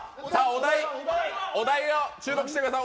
お題を注目してください。